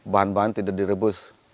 bahan bahan tidak direbus